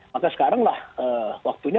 maka sekarang lah waktunya